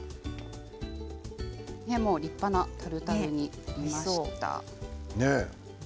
立派なタルタルになりました。